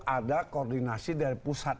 ada koordinasi dari pusat